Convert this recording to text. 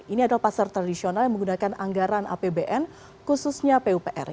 ini adalah pasar tradisional yang menggunakan anggaran apbn khususnya pupr